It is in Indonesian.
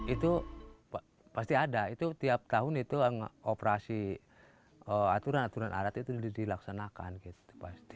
itu pasti ada itu tiap tahun itu operasi aturan aturan adat itu sudah dilaksanakan gitu pasti